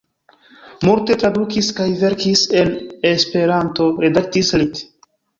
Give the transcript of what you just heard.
Multe tradukis kaj verkis en E, redaktis lit.